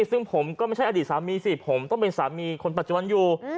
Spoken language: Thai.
ซึ่งผมก็ไม่ใช่อดีตสามีสิผมต้องเป็นสามีคนปัจจุบันอยู่